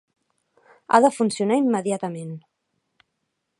Ha de funcionar immediatament.